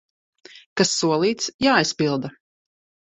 Kas solīts, jāizpilda!